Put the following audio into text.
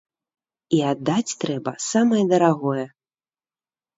І аддаць трэба самае дарагое.